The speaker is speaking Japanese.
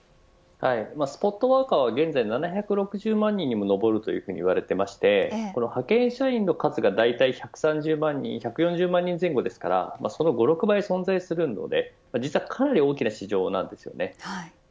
スポットワーカーは現在７６０万人にも上るというふうに言われていまして派遣社員の数が大体１３０万人１４０万人前後ですからその５、６倍存在するので実は、かなり大きな市場です。